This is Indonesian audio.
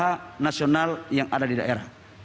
dan juga pengusaha nasional yang ada di daerah